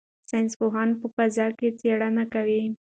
ساینس پوهان په فضا کې څېړنې کوي.